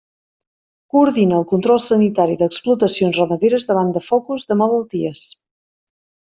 Coordina el control sanitari d'explotacions ramaderes davant de focus de malalties.